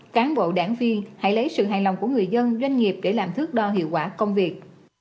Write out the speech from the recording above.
cán bộ đảng viên hãy lấy sự hài lòng của người dân doanh nghiệp để làm thước đo hiệu quả công việc